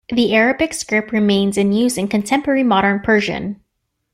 The Arabic script remains in use in contemporary modern Persian.